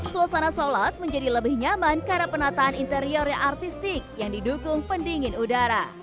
suasana sholat menjadi lebih nyaman karena penataan interior yang artistik yang didukung pendingin udara